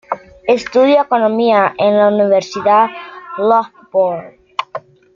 Estudió economía en la Universidad de Loughborough.